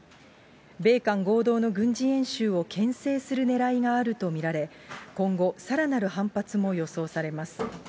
米韓合同の軍事演習をけん制するねらいがあると見られ、今後、さらなる反発も予想されます。